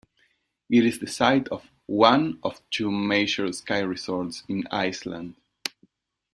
It is the site of one of two major ski resorts in Iceland.